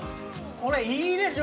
これいいでしょ。